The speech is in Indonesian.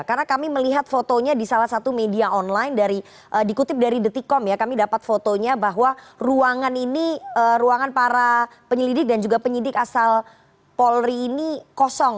karena kami melihat fotonya di salah satu media online dari dikutip dari detikkom ya kami dapat fotonya bahwa ruangan ini ruangan para penyelidik dan juga penyidik asal polri ini kosong